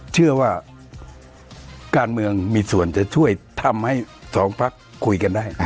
เชื่อว่าการเมืองมีส่วนจะช่วยทำให้สองพักคุยกันได้